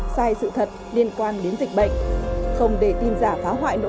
sai sự thật liên quan đến dịch bệnh không để tin giả phá hoại nỗ lực